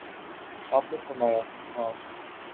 آپ نے فرمایا: ہاں